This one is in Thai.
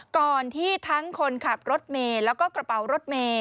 ก่อนที่ทั้งคนขับรถเมย์แล้วก็กระเป๋ารถเมย์